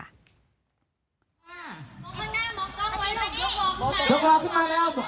จะแทรกเออไอ้ตัวนิ่งหน่อยเร็ว